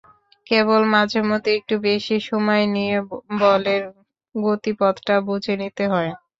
কেবল মাঝেমধ্যে একটু বেশি সময় নিয়ে বলের গতিপথটা বুঝে নিতে হয়।